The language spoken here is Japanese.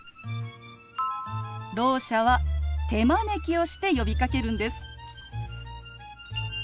ろう者は手招きをして呼びかけるんです。